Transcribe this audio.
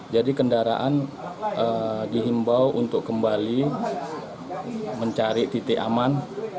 jadi kendaraan dihimbau untuk kembali mencari titik aman